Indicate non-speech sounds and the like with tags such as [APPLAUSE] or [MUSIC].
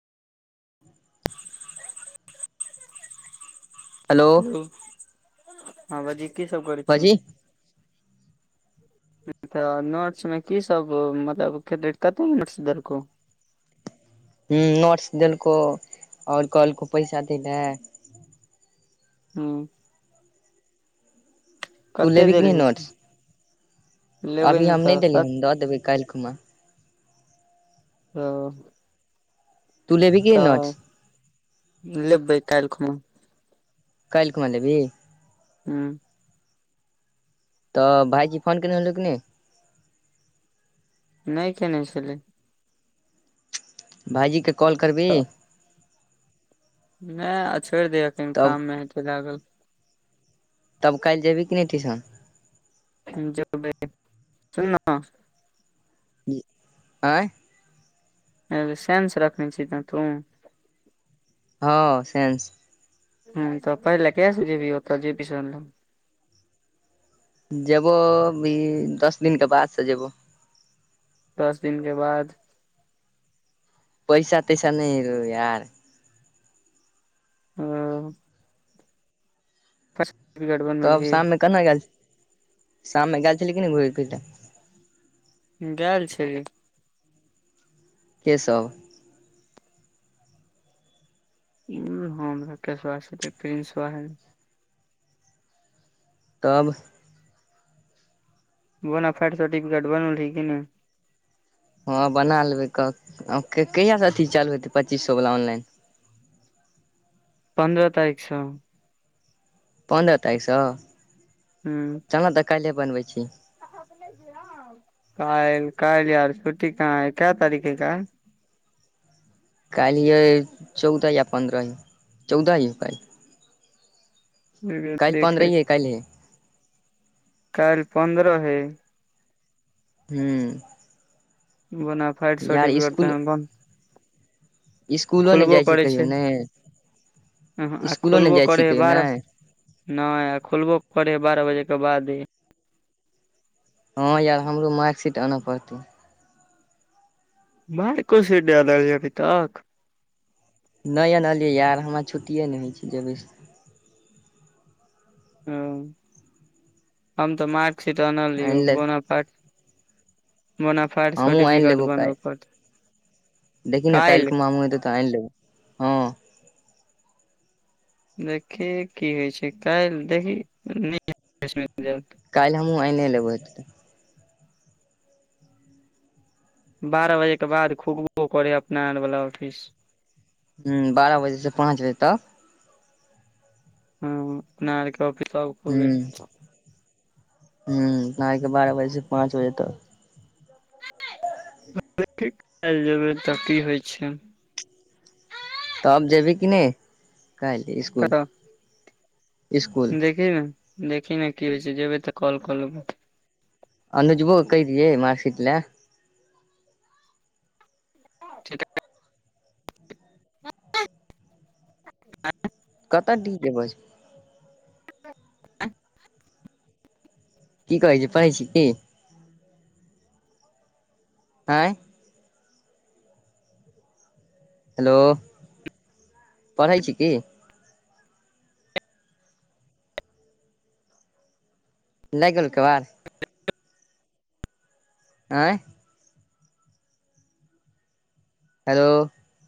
हू हेलो [UNINTELLIGIBLE] हँ बजीही की सब करै छी भाजी तऽ नोट्स मे की सब मतलब कते नोट्स देलकौ हूँ नोट्स देलकौ आओर कहलकौ पैसा दै ला हूँ तु कते लेबी कि नै देलही से नोट्स लेबै अभी ने हम नै तऽ देलियै कत हैन दऽ देबै काल्हि खुमा ओ तू लेबही कि नहि नोट्स तऽ लेबै काल्हि खुमा काल्हि खुमा लेबी हूँ तऽ भायजी फोन कने होल कि नै नै केने छलै भाइजी के कॉल करबि नै आ छोड़ि दिहिखन तब कामे हेतै लागल। तब काल्हि जेबी कि नै टीशन। जबै सुन न आँय आरै संस रखने छिन तू हँ सेन्स हूँ त पढ़ले कहिया सँ जेबही ओत जे पी सर लग। जेबो भी दस दिन के बाद स जेबो दस दिन के बाद पैसा तैसा नै रो यार अ सर्टिफिकेट तब बनलही शाममे केना गेएल शाममे गेल छली कि नै घूमि फिरै ला गेएल छैलि के सब उ हम रकेशबा छली प्रिन्स बाह तब बोना फाट सर्टिफिकेट बनोलही कि नै। हँ बना लेबै क कहियासँ अथी चालु हेतय पच्चीस सए वला ऑनलाइन पन्द्रह तारीक स पन्द्रह तारिख स हुॅं चल न तऽ काइल्हे बनबै छी काइल काइल यार छुटी कहाँ है केआ तारीखे हैय काइल काइल यै चौदह या पन्द्रह हौ चौदह यै काइल काल्हि काइल पन्द्रह देखे रहहि काइलहे काइल पन्द्रह हय हुॅं बोनाफाइट साटीपीकेट त इसकुल अहाँ बन इसकुलो नै जाइ छै कहियो नै आहु खोलबो करहै कहियो बारह नहि नैखोलबो करे हइ बारह बजे के बादे हँ यार हमरो मार्कशीट आनऽ पड़तै मारकोसीट नै अनलिय अभी तक नै अनलियै यार हमरा छुट्टिए नै होइ छै जेबै से। ह हम तऽ मार्कशीट आनि आनलियो ले बनल [UNINTELLIGIBLE] बोना फाईट हमहूँ आनि सर्टिफिकेट लेबौ बनब काल्हि परतै काइल हमु हेतै त आइन लेैबय हँ देखी की होइ छै काइल देहि नीक म [UNINTELLIGIBLE] रिजल्ट। काइल हमहूँ आइने लेबै हेतै तऽ बारह बजे के बाद खुबो करे ह अपना आर वाला ऑफिस। हुॅं बारह बजे से पाँच बजे तक। हँ अपना और के अफिस सब खोबे। हुॅं आपनाइके बारह बजे से पाँच बजे तक। तऽ देखि काइल जेबै तऽ की होइ छै तब जेबै कि नै काइल ईसकुल ईसकुल देखी ने देखी ने की होइ छै जेबै तऽ कॉल कऽ लेबो अनुजबो के कैह दिहै मार्सीट लए। [INAUDIBLE] ह [INAUDIBLE] कतऽ डीजे बजय अइ की कहै छी परहै छी की आँय हेलो पढ़ै छी की लाइग गेलौ केबार आय हेलो